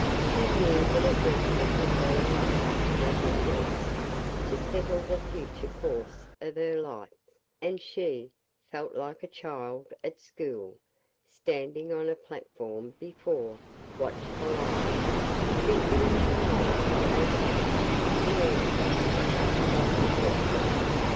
She knew that it rested with her alone to make a choice, to settle the future course of her life, and she, felt like a child at school, standing on a platform before watchful eyes, bidden to find by herself the answer to some knotty question.